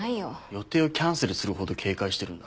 予定をキャンセルするほど警戒してるんだ。